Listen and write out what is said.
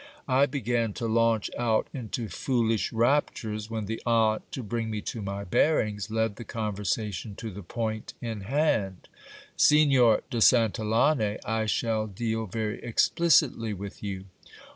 I began to launch out into foolish raptures, when the aunt, to bring me to my bearings, led the conversation to the point in hand : Signor de Santillane, I shall deal very explicitly with you.